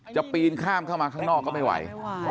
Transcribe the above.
ปีนข้ามเข้ามาข้างนอกก็ไม่ไหว